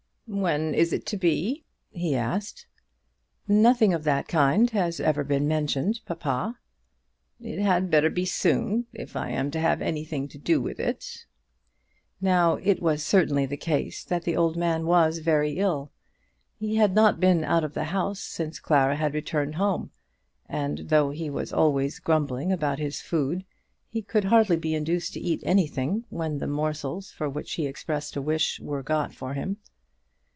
"When is it to be?" he asked. "Nothing of that kind has ever been mentioned, papa." "It had better be soon, if I am to have anything to do with it." Now it was certainly the case that the old man was very ill. He had not been out of the house since Clara had returned home; and, though he was always grumbling about his food, he could hardly be induced to eat anything when the morsels for which he expressed a wish were got for him.